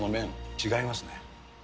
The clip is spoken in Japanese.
違いますね。